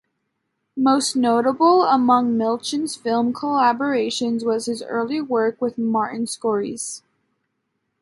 Most notable among Milchan's film collaborations was his early work with Martin Scorsese.